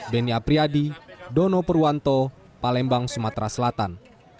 benya priadi dono purwanto palembang sumatera selatan